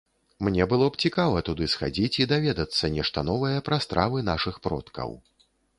Мне было б цікава туды схадзіць і даведацца нешта новае пра стравы нашых продкаў.